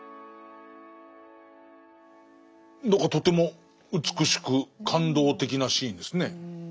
何かとても美しく感動的なシーンですね。